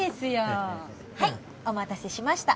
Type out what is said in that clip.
はいお待たせしました